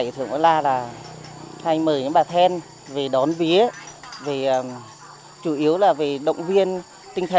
chị hò nhĩ tia